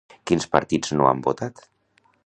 Quins partits no han votat?